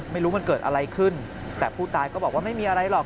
ไม่รู้มันเกิดอะไรขึ้นแต่ผู้ตายก็บอกว่าไม่มีอะไรหรอก